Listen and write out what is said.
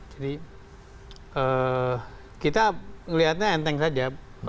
jadi kita melihatnya enteng saja